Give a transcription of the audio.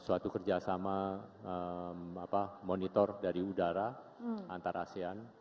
suatu kerjasama monitor dari udara antara asean